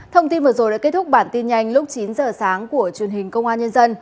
thông tin vừa rồi đã kết thúc bản tin nhanh lúc chín giờ sáng của truyền hình công an nhân dân